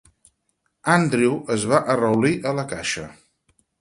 Andrew es va arraulir a la caixa.